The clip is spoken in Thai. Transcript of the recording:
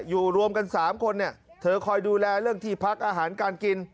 อยู่รวมกันสามคนนี้เธอคอยดูแลเรื่องที่พักอาหารกิน